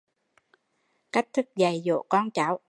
Cách thức dạy dỗ con cháu